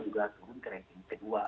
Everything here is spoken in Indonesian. juga turun ke ranking kedua